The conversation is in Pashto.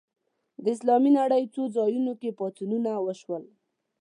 د اسلامي نړۍ څو ځایونو کې پاڅونونه وشول